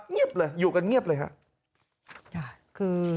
เงียบเลยอยู่กันเงียบเลยครับ